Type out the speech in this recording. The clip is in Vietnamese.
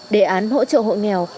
đề án hỗ trợ hộ nghèo